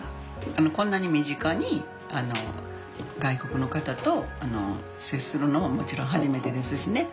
こんなに身近に外国の方と接するのももちろん初めてですしね。